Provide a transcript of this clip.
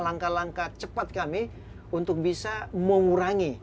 langkah langkah cepat kami untuk bisa mengurangi